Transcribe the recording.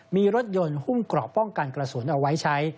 มีรถยนต์หุ้มเกราะป้องกันกระสุนเอาไว้ใช้